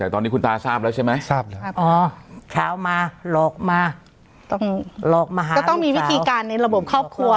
แต่ตอนนี้คุณตาทราบใช่มั้ยอ๋อก็ต้องมีวิธีการในระบบครอบครัว